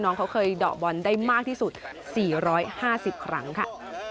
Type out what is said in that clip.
น้องเขาเคยเดาะบอลได้มากที่สุด๔๕๐ครั้งค่ะ